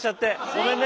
ごめんね。